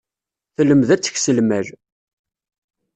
Telmed ad teks lmal.